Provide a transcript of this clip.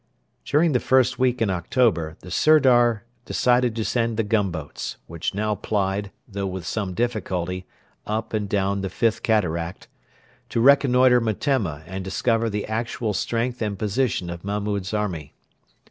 During the first week in October the Sirdar decided to send the gunboats which now plied, though with some difficulty, up and down the Fifth Cataract to reconnoitre Metemma and discover the actual strength and position of Mahmud's army.